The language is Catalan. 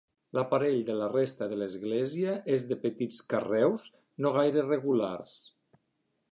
L'aparell de la resta de l'església és de petits carreus no gaire regulars.